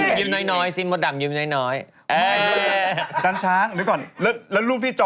หัวน้ำซินมด่ำยืมไหนหน่อยแอ้นช้างนะก่อนแล้วแล้วรูปที่จอ